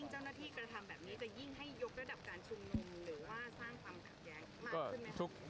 หรือว่าสร้างความกัดแยกมากขึ้นไหมครับ